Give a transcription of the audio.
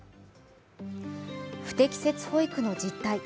不適切保育の実態。